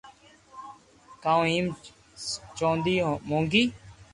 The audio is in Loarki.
ڪنو ھيم چوندي مونگي